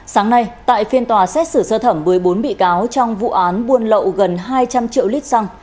sáng nay tại phiên tòa xét xử sơ thẩm một mươi bốn bị cáo trong vụ án buôn lậu gần hai trăm linh triệu lít xăng